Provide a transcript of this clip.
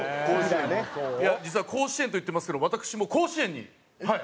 いや実は甲子園と言ってますけど私も甲子園にはい。